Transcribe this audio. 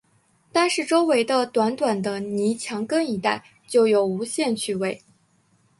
单是周围的短短的泥墙根一带，就有无限趣味